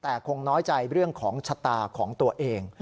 แต่คงน้อยใจเรื่องของชะตาของตัวเอง